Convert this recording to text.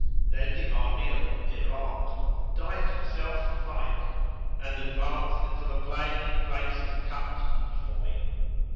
Then the army of Irak dight itself for fight and advanced into the plain and place of cut and foin.